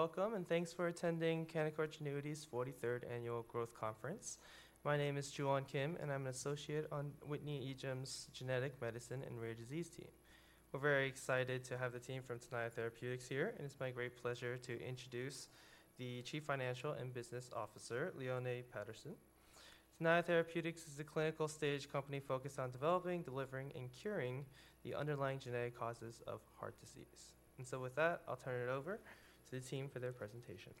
Welcome, and thanks for attending Canaccord Genuity's 43rd Annual Growth Conference. My name is Joohwan Kim, and I'm an associate on Whitney Ijem's Genetic Medicine and Rare Disease team. We're very excited to have the team from Tenaya Therapeutics here, and it's my great pleasure to introduce the Chief Financial and Business Officer, Leone Patterson. Tenaya Therapeutics is a clinical-stage company focused on developing, delivering, and curing the underlying genetic causes of heart disease. And so with that, I'll turn it over to the team for their presentation.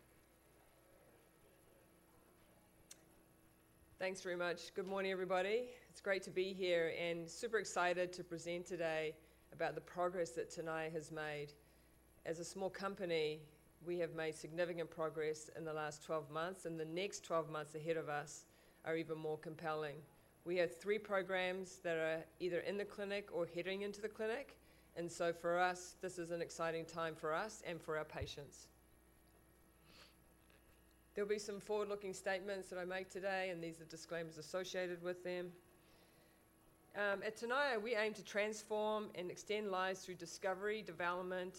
Thanks very much. Good morning, everybody. It's great to be here and super excited to present today about the progress that Tenaya has made. As a small company, we have made significant progress in the last 12 months, and the next 12 months ahead of us are even more compelling. We have three programs that are either in the clinic or heading into the clinic, and so for us, this is an exciting time for us and for our patients. There'll be some forward-looking statements that I make today, and these are disclaimers associated with them. At Tenaya, we aim to transform and extend lives through discovery, development,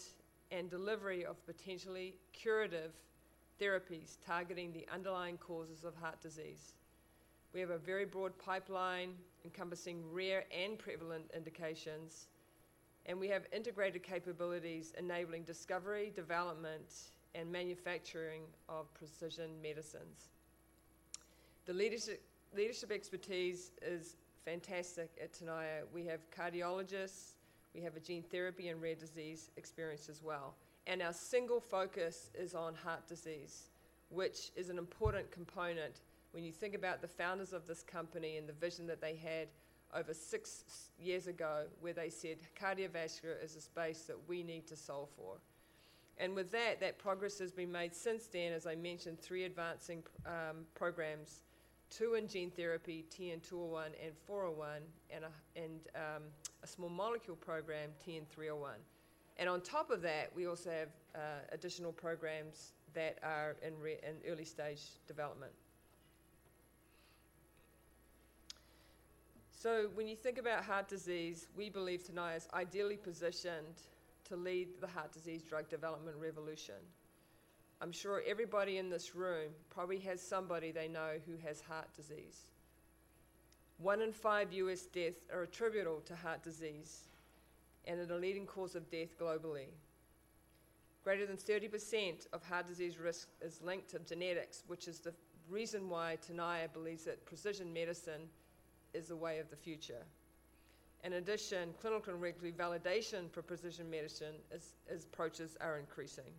and delivery of potentially curative therapies targeting the underlying causes of heart disease. We have a very broad pipeline encompassing rare and prevalent indications, and we have integrated capabilities enabling discovery, development, and manufacturing of precision medicines. The leadership expertise is fantastic at Tenaya. We have cardiologists, we have a gene therapy and rare disease experience as well, and our single focus is on heart disease, which is an important component when you think about the founders of this company and the vision that they had over six years ago, where they said, "Cardiovascular is a space that we need to solve for." And with that, that progress has been made since then, as I mentioned, three advancing programs, two in gene therapy, TN-201 and TN-401, and a small molecule program, TN-301. And on top of that, we also have additional programs that are in early stage development. So when you think about heart disease, we believe Tenaya is ideally positioned to lead the heart disease drug development revolution. I'm sure everybody in this room probably has somebody they know who has heart disease. One in US deaths are attributable to heart disease, and it's a leading cause of death globally. Greater than 30% of heart disease risk is linked to genetics, which is the reason why Tenaya believes that precision medicine is the way of the future. In addition, clinical and regulatory validation for precision medicine approaches are increasing.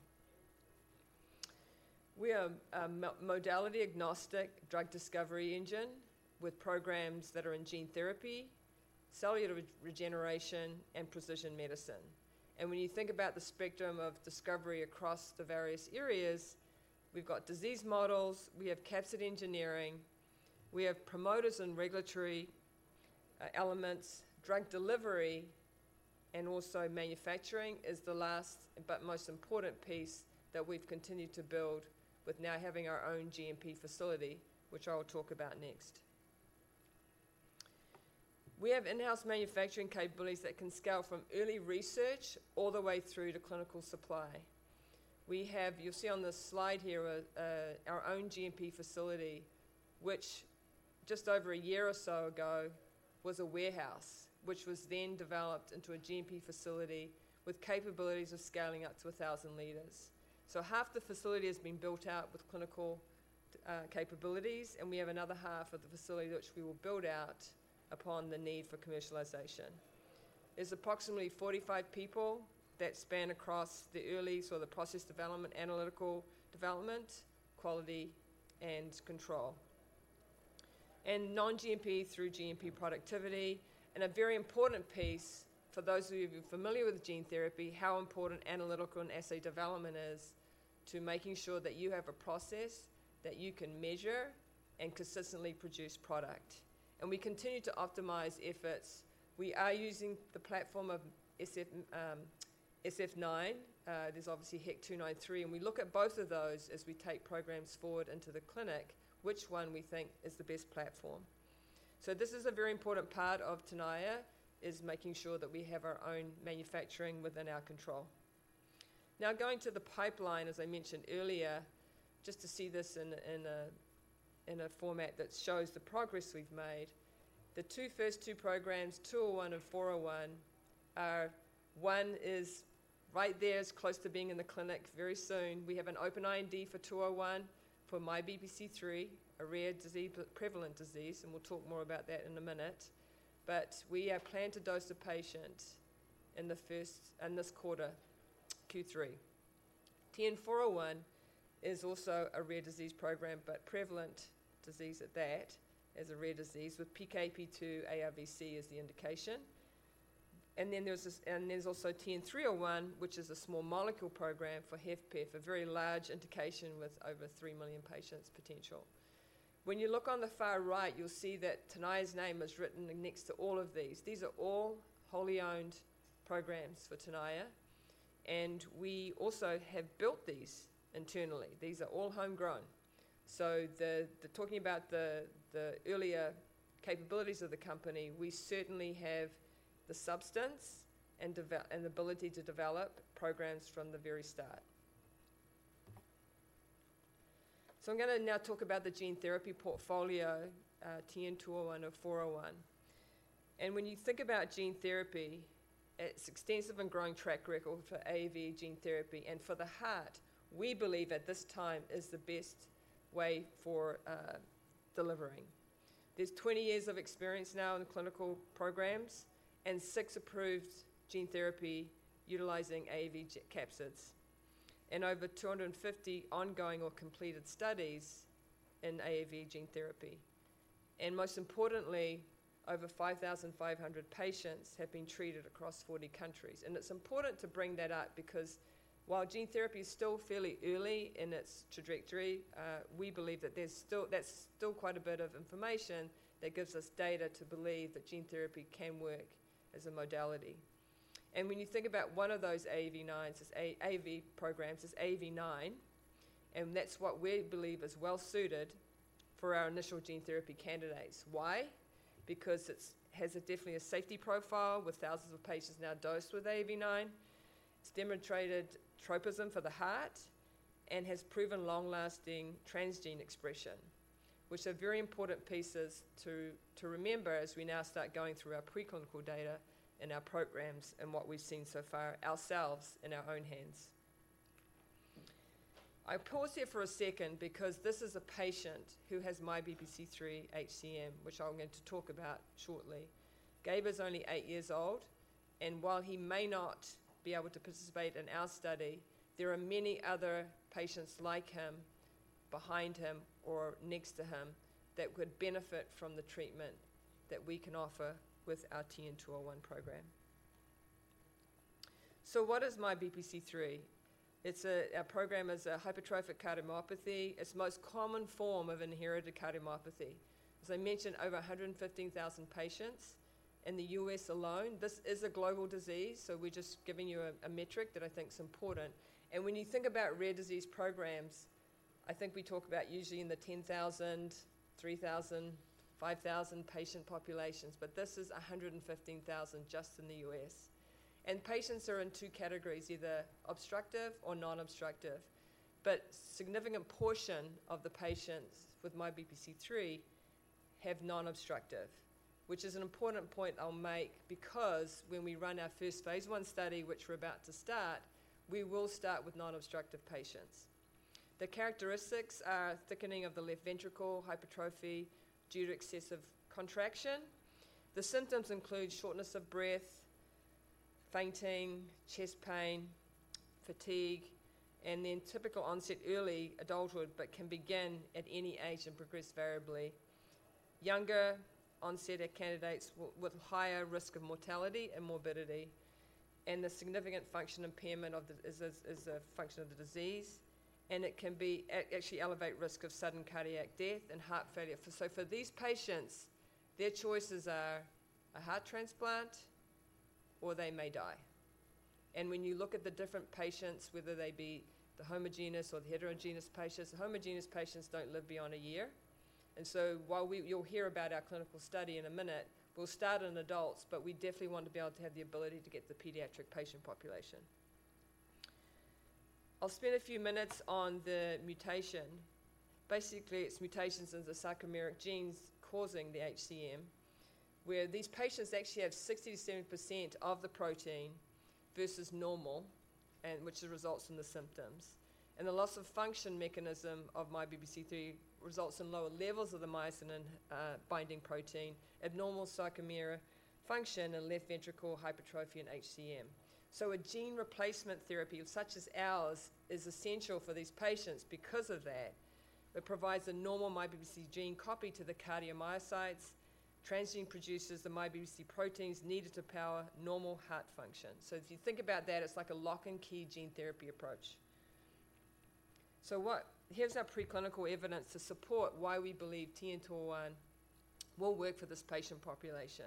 We are modality agnostic drug discovery engine with programs that are in gene therapy, cellular regeneration, and precision medicine. When you think about the spectrum of discovery across the various areas, we've got disease models, we have capsid engineering, we have promoters and regulatory elements, drug delivery, and also manufacturing is the last but most important piece that we've continued to build with now having our own GMP facility, which I will talk about next. We have in-house manufacturing capabilities that can scale from early research all the way through to clinical supply. You'll see on this slide here, our own GMP facility, which just over a year or so ago, was a warehouse, which was then developed into a GMP facility with capabilities of scaling up to 1,000 liters. So half the facility has been built out with clinical capabilities, and we have another half of the facility which we will build out upon the need for commercialization. There's approximately 45 people that span across the early, so the process development, analytical development, quality, and control. And non-GMP through GMP productivity, and a very important piece for those of you who are familiar with gene therapy, how important analytical and assay development is to making sure that you have a process that you can measure and consistently produce product. And we continue to optimize efforts. We are using the platform of SF, SF9. There's obviously HEK293, and we look at both of those as we take programs forward into the clinic, which one we think is the best platform. So this is a very important part of Tenaya, is making sure that we have our own manufacturing within our control. Now, going to the pipeline, as I mentioned earlier, just to see this in a format that shows the progress we've made. The first two programs, TN-201 and TN-401, are. One is right there, is close to being in the clinic very soon. We have an open IND for TN-201, for MYBPC3, a rare disease, but prevalent disease, and we'll talk more about that in a minute. But we have planned to dose the patient in this quarter, Q3. TN-401 is also a rare disease program, but prevalent disease at that, as a rare disease with PKP2 ARVC as the indication. And then there's also TN-301, which is a small molecule program for HFpEF, a very large indication with over three million patients potential. When you look on the far right, you'll see that Tenaya's name is written next to all of these. These are all wholly owned programs for Tenaya, and we also have built these internally. These are all homegrown. So, talking about the earlier capabilities of the company, we certainly have the substance and development and ability to develop programs from the very start. So I'm gonna now talk about the gene therapy portfolio, TN-201 or TN-401. And when you think about gene therapy, its extensive and growing track record for AAV gene therapy and for the heart, we believe at this time is the best way for delivering. There's 20 years of experience now in the clinical programs, and 6 approved gene therapy utilizing AAV capsids, and over 250 ongoing or completed studies in AAV gene therapy. Most importantly, over 5,500 patients have been treated across 40 countries. And it's important to bring that up because while gene therapy is still fairly early in its trajectory, we believe that that's still quite a bit of information that gives us data to believe that gene therapy can work as a modality. And when you think about one of those AAV9s in AAV programs is AAV9, and that's what we believe is well suited for our initial gene therapy candidates. Why? Because it has definitely a safety profile, with thousands of patients now dosed with AAV9. It's demonstrated tropism for the heart and has proven long-lasting transgene expression, which are very important pieces to remember as we now start going through our preclinical data and our programs and what we've seen so far ourselves in our own hands. I pause here for a second because this is a patient who has MYBPC3 HCM, which I'm going to talk about shortly. Gabe is only eight years old, and while he may not be able to participate in our study, there are many other patients like him, behind him, or next to him that would benefit from the treatment that we can offer with our TN-201 program. So what is MYBPC3? It's a... Our program is a hypertrophic cardiomyopathy. It's the most common form of inherited cardiomyopathy. As I mentioned, over 115,000 patients in the U.S. alone. This is a global disease, so we're just giving you a, a metric that I think is important. And when you think about rare disease programs, I think we talk about usually in the 10,000, 3,000, 5,000 patient populations, but this is 115,000 just in the US. And patients are in two categories, either obstructive or non-obstructive. But significant portion of the patients with MYBPC3 have non-obstructive, which is an important point I'll make, because when we run our first phase I study, which we're about to start, we will start with non-obstructive patients. The characteristics are thickening of the left ventricle, hypertrophy due to excessive contraction. The symptoms include shortness of breath, fainting, chest pain, fatigue, and then typical onset, early adulthood, but can begin at any age and progress variably. Younger onset are candidates with higher risk of mortality and morbidity, and the significant function impairment of the... is a, is a function of the disease, and it can actually elevate risk of sudden cardiac death and heart failure. So for these patients, their choices are a heart transplant or they may die. And when you look at the different patients, whether they be the homogeneous or the heterogeneous patients, the homogeneous patients don't live beyond a year. And so while we'll hear about our clinical study in a minute, we'll start in adults, but we definitely want to be able to have the ability to get the pediatric patient population. I'll spend a few minutes on the mutation. Basically, it's mutations in the sarcomeric genes causing the HCM, where these patients actually have 60%-70% of the protein versus normal, and which results in the symptoms. The loss-of-function mechanism of MYBPC3 results in lower levels of the myosin-binding protein, abnormal sarcomere function, and left ventricle hypertrophy and HCM. A gene replacement therapy, such as ours, is essential for these patients because of that. It provides a normal MYBPC gene copy to the cardiomyocytes. The transgene produces the MYBPC proteins needed to power normal heart function. If you think about that, it's like a lock-and-key gene therapy approach. Here's our preclinical evidence to support why we believe TN-201 will work for this patient population.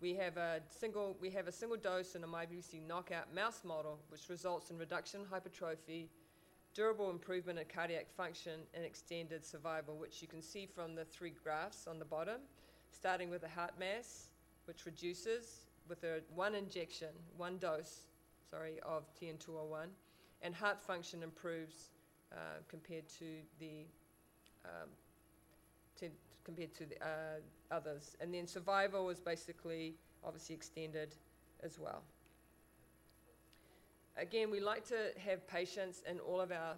We have a single dose in a MYBPC3 knockout mouse model, which results in reduction in hypertrophy, durable improvement in cardiac function, and extended survival, which you can see from the three graphs on the bottom, starting with the heart mass, which reduces with a one injection, one dose, sorry, of TN-201, and heart function improves compared to the others. And then survival was basically obviously extended as well. Again, we like to have patients in all of our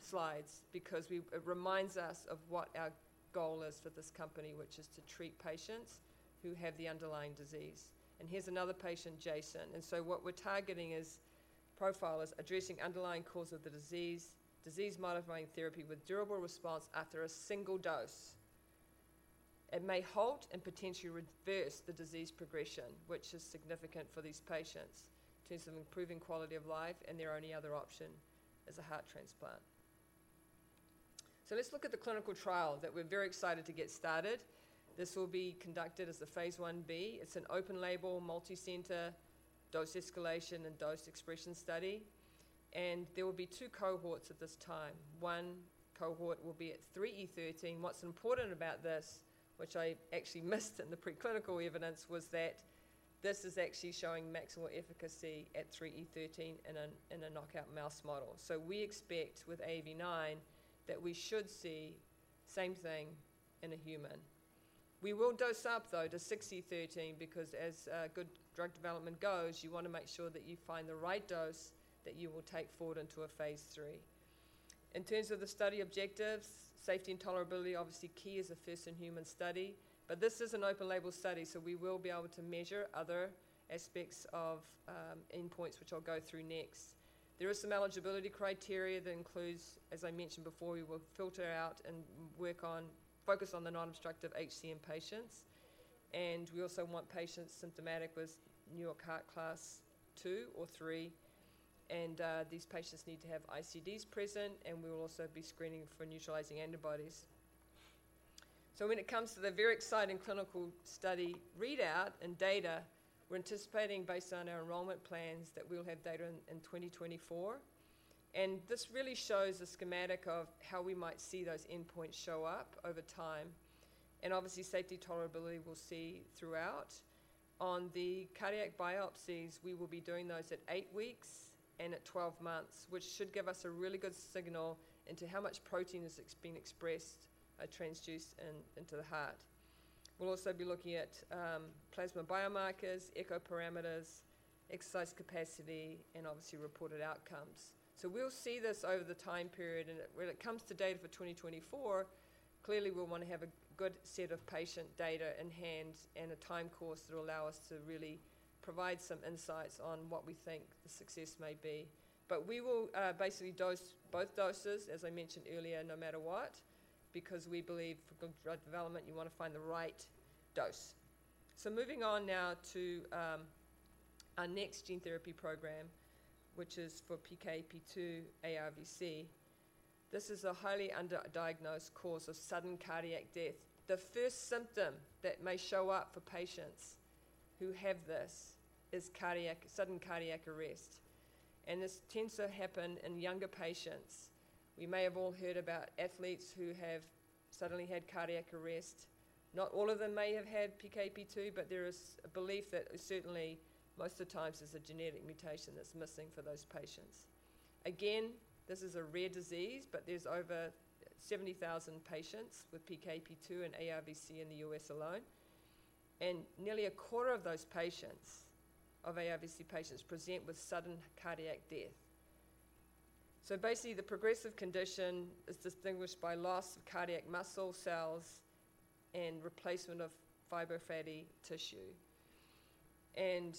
slides because it reminds us of what our goal is for this company, which is to treat patients who have the underlying disease. And here's another patient, Jason. And so what we're targeting is addressing underlying cause of the disease, disease-modifying therapy with durable response after a single dose. It may halt and potentially reverse the disease progression, which is significant for these patients in terms of improving quality of life, and their only other option is a heart transplant. So let's look at the clinical trial that we're very excited to get started. This will be conducted as a phase 1b. It's an open-label, multicenter dose escalation and dose expansion study, and there will be two cohorts at this time. One cohort will be at 3 × 10^13. What's important about this, which I actually missed in the preclinical evidence, was that this is actually showing maximal efficacy at 3 × 10^13 in a knockout mouse model. So we expect with AAV9 that we should see same thing in a human. We will dose up, though, to 6 × 10^13, because as, good drug development goes, you wanna make sure that you find the right dose that you will take forward into a phase III. In terms of the study objectives, safety and tolerability obviously key as a first-in-human study, but this is an open label study, so we will be able to measure other aspects of, endpoints, which I'll go through next. There is some eligibility criteria that includes, as I mentioned before, we will filter out and work on, focus on the non-obstructive HCM patients, and we also want patients symptomatic with New York Heart class 2 or 3, and, these patients need to have ICDs present, and we will also be screening for neutralizing antibodies. So when it comes to the very exciting clinical study readout and data, we're anticipating, based on our enrollment plans, that we'll have data in 2024. And this really shows a schematic of how we might see those endpoints show up over time, and obviously, safety tolerability we'll see throughout. On the cardiac biopsies, we will be doing those at eight weeks and at 12 months, which should give us a really good signal into how much protein is being expressed or transduced in, into the heart. We'll also be looking at plasma biomarkers, echo parameters, exercise capacity, and obviously reported outcomes. So we'll see this over the time period, and when it comes to data for 2024, clearly, we'll wanna have a good set of patient data in hand and a time course that will allow us to really provide some insights on what we think the success may be. But we will basically dose both doses, as I mentioned earlier, no matter what, because we believe for good drug development, you wanna find the right dose. So moving on now to our next gene therapy program, which is for PKP2 ARVC. This is a highly underdiagnosed cause of sudden cardiac death. The first symptom that may show up for patients who have this is sudden cardiac arrest, and this tends to happen in younger patients. We may have all heard about athletes who have suddenly had cardiac arrest. Not all of them may have had PKP2, but there is a belief that certainly most of the times it's a genetic mutation that's missing for those patients. Again, this is a rare disease, but there's over 70,000 patients with PKP2 and ARVC in the US. alone, and nearly a quarter of those patients, of ARVC patients, present with sudden cardiac death. So basically, the progressive condition is distinguished by loss of cardiac muscle cells and replacement of fibrofatty tissue, and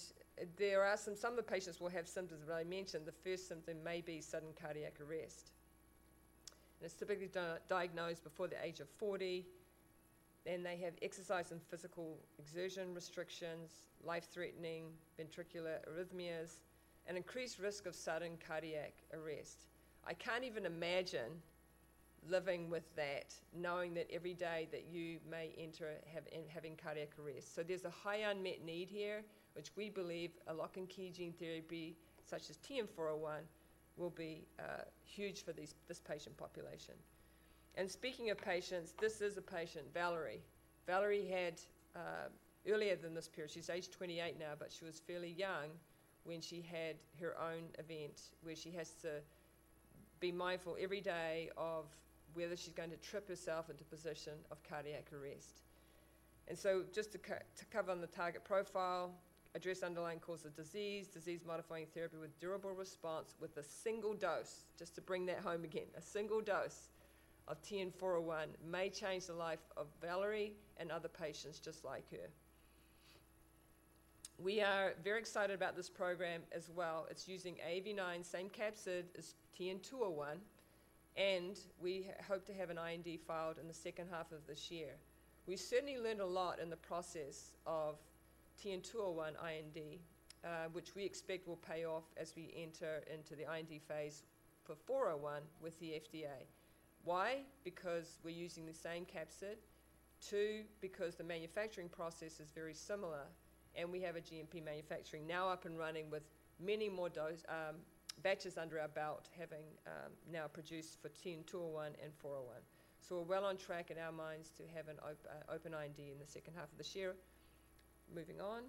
there are some of the patients will have symptoms that I mentioned. The first symptom may be sudden cardiac arrest. They're typically diagnosed before the age of 40, and they have exercise and physical exertion restrictions, life-threatening ventricular arrhythmias, and increased risk of sudden cardiac arrest. I can't even imagine living with that, knowing that every day that you may enter have in having cardiac arrest. So there's a high unmet need here, which we believe a lock and key gene therapy, such as TN-401, will be huge for these, this patient population. And speaking of patients, this is a patient, Valerie. Valerie had earlier than this period... She's aged 28 now, but she was fairly young when she had her own event, where she has to be mindful every day of whether she's going to trip herself into position of cardiac arrest. And so just to cover on the target profile, address underlying cause of disease, disease-modifying therapy with durable response, with a single dose, just to bring that home again, a single dose of TN-401 may change the life of Valerie and other patients just like her. We are very excited about this program as well. It's using AAV9, same capsid as TN-201, and we hope to have an IND filed in the second half of this year. We certainly learned a lot in the process of TN-201 IND, which we expect will pay off as we enter into the IND phase for 401 with the FDA. Why? Because we're using the same capsid. Two, because the manufacturing process is very similar, and we have a GMP manufacturing now up and running with many more dose batches under our belt, having now produced for TN-201 and TN-401. So we're well on track in our minds to have an open IND in the second half of this year. Moving on.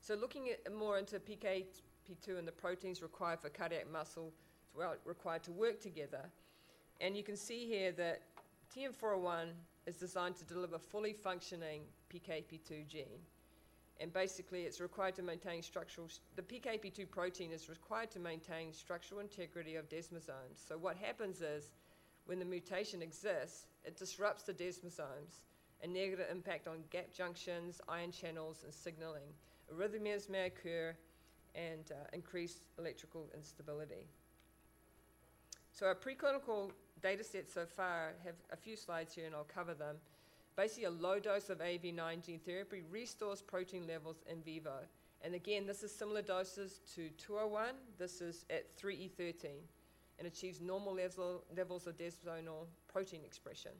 So looking at more into PKP2 and the proteins required for cardiac muscle, well, required to work together, and you can see here that TN-401 is designed to deliver fully functioning PKP2 gene, and basically, it's required to maintain structural. The PKP2 protein is required to maintain structural integrity of desmosomes. So what happens is, when the mutation exists, it disrupts the desmosomes and negative impact on gap junctions, ion channels, and signaling. Arrhythmias may occur and increased electrical instability. So our preclinical data sets so far have a few slides here, and I'll cover them. Basically, a low dose of AAV9 gene therapy restores protein levels in vivo, and again, this is similar doses to TN-201. This is at 3E13 vg/kg and achieves normal level, levels of desmoplakin protein expression.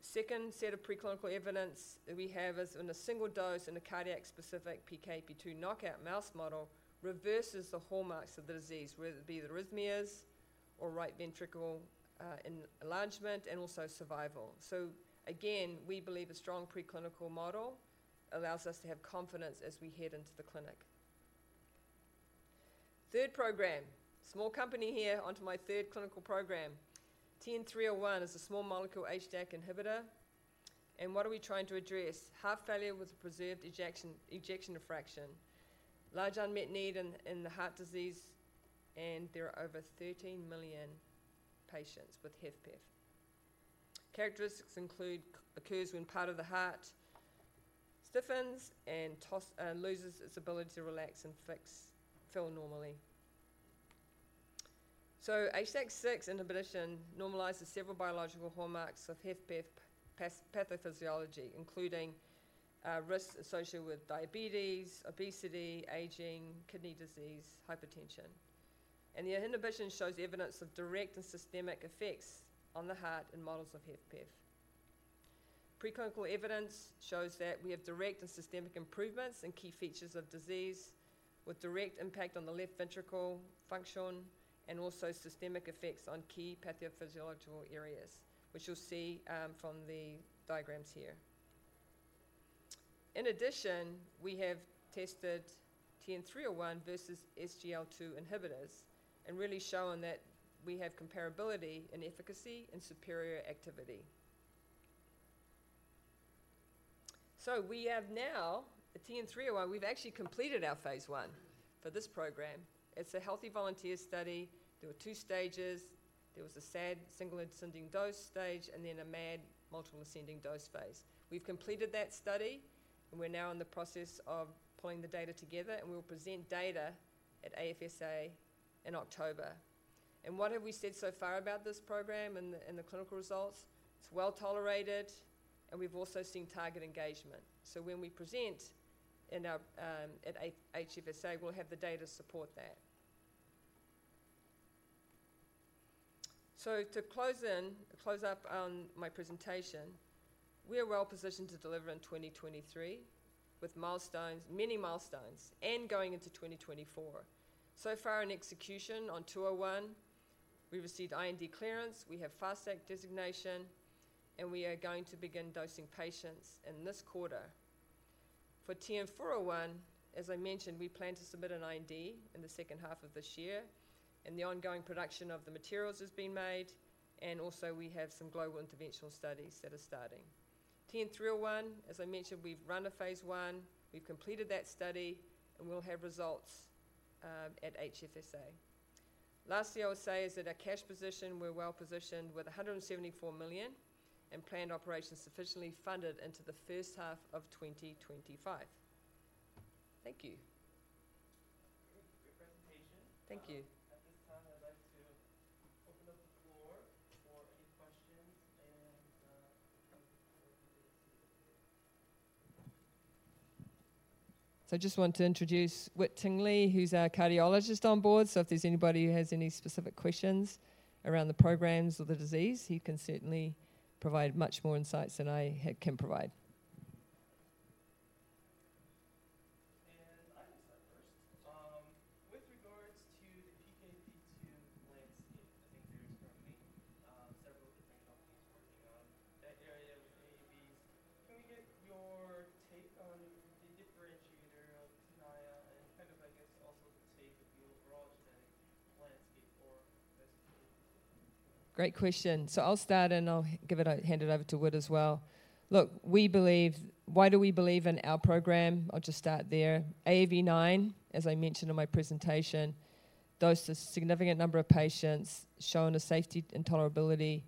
Second set of preclinical evidence that we have is in a single dose in a cardiac-specific PKP2 knockout mouse model reverses the hallmarks of the disease, whether it be the arrhythmias or right ventricle enlargement, and also survival. So again, we believe a strong preclinical model allows us to have confidence as we head into the clinic. Third program, small company here, onto my third clinical program. TN-301 is a small molecule HDAC inhibitor, and what are we trying to address? Heart failure with preserved ejection fraction. Large unmet need in heart disease, and there are over 13 million patients with HFpEF. Characteristics include occurs when part of the heart stiffens and loses its ability to relax and fill normally. So HDAC6 inhibition normalizes several biological hallmarks of HFpEF pathophysiology, including risks associated with diabetes, obesity, aging, kidney disease, hypertension. The inhibition shows evidence of direct and systemic effects on the heart in models of HFpEF. Preclinical evidence shows that we have direct and systemic improvements in key features of disease, with direct impact on the left ventricle function and also systemic effects on key pathophysiological areas, which you'll see from the diagrams here. In addition, we have tested TN-301 versus SGLT2 inhibitors and really shown that we have comparability in efficacy and superior activity. So we have now, the TN-301, we've actually completed our phase I for this program. It's a healthy volunteer study. There were two stages. There was a SAD, Single Ascending Dose stage, and then a MAD, Multiple Ascending Dose phase. We've completed that study, and we're now in the process of pulling the data together, and we'll present data at HFSA in October. What have we said so far about this program and the clinical results? It's well-tolerated, and we've also seen target engagement. So when we present in our at HFSA, we'll have the data to support that. So to close in, to close up on my presentation, we are well positioned to deliver in 2023, with milestones, many milestones, and going into 2024. So far in execution on TN-201, we received IND clearance, we have Fast Track designation, and we are going to begin dosing patients in this quarter. For TN-401, as I mentioned, we plan to submit an IND in the second half of this year, and the ongoing production of the materials is being made, and also we have some global interventional studies that are starting. TN-301, as I mentioned, we've run a phase I, we've completed that study, and we'll have results at HFSA. Lastly, I will say is that our cash position, we're well positioned with $174 million and planned operations sufficiently funded into the first half of 2025. Thank you. Great presentation. Thank you. At this time, I'd like to open up the floor for any questions, and [inaudible] So I just want to introduce Whit Tingley, who's our cardiologist on board. So if there's anybody who has any specific questions around the programs or the disease, he can certainly provide much more insights than I can provide. I will start first. With regards to the PKP2 landscape, I think there's currently several different companies working on that area with AAVs. Can we get your take on the differentiator of Tenaya and kind of, I guess, also the state of the overall genetic landscape for PKP2? Great question. So I'll start, and I'll hand it over to Whit as well. Look, we believe... Why do we believe in our program? I'll just start there. AAV9, as I mentioned in my presentation, dosed a significant number of patients, shown a safety and tolerability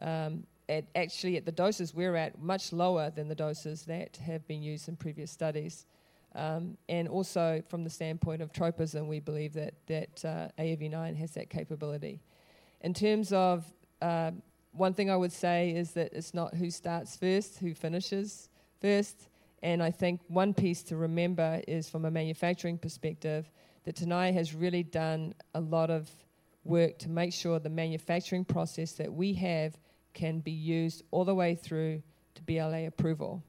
at actually at the doses we're at, much lower than the doses that have been used in previous studies. And also from the standpoint of tropism, we believe that AAV9 has that capability. In terms of one thing I would say is that it's not who starts first, who finishes first, and I think one piece to remember is from a manufacturing perspective, that Tenaya has really done a lot of work to make sure the manufacturing process that we have can be used all the way through to BLA approval.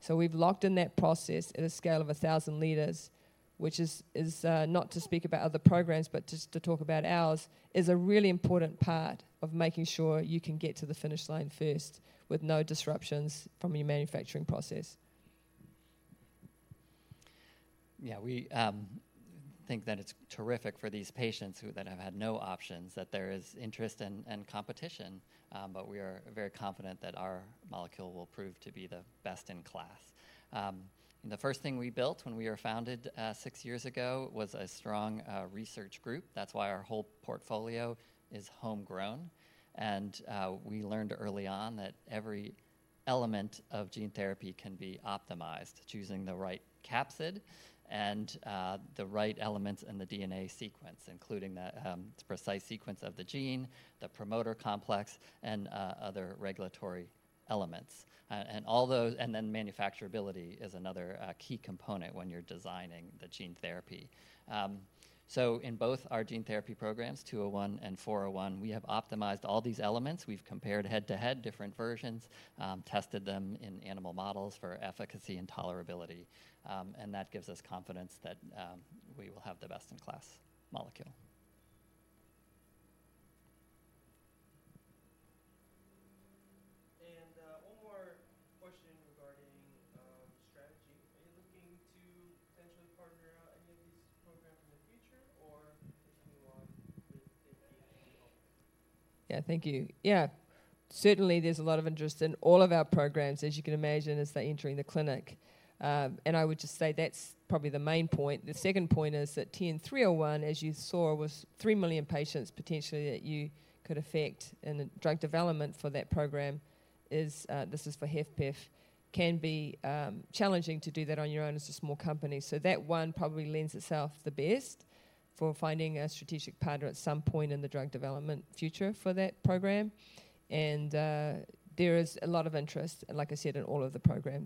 So we've locked in that process at a scale of 1,000 liters, which is not to speak about other programs, but just to talk about ours, is a really important part of making sure you can get to the finish line first with no disruptions from your manufacturing process. Yeah, we think that it's terrific for these patients that have had no options, that there is interest and competition, but we are very confident that our molecule will prove to be the best in class. The first thing we built when we were founded six years ago was a strong research group. That's why our whole portfolio is homegrown. We learned early on that every element of gene therapy can be optimized, choosing the right capsid and the right elements in the DNA sequence, including the precise sequence of the gene, the promoter complex, and other regulatory elements. All those and then manufacturability is another key component when you're designing the gene therapy. In both our gene therapy programs, TN-201 and TN-401, we have optimized all these elements. We've compared head-to-head different versions, tested them in animal models for efficacy and tolerability, and that gives us confidence that we will have the best-in-class molecule. One more question regarding strategy. Are you looking to potentially partner any of these programs in the future, or [inaudibe]? Yeah. Thank you. Yeah. Certainly, there's a lot of interest in all of our programs, as you can imagine, as they're entering the clinic. And I would just say that's probably the main point. The second point is that TN-301, as you saw, was three million patients potentially that you could affect, and the drug development for that program is, this is for HFpEF, can be challenging to do that on your own as a small company. So that one probably lends itself the best for finding a strategic partner at some point in the drug development future for that program. And there is a lot of interest, like I said, in all of the programs.